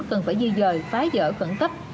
cần phải di dời phá dở khẩn cấp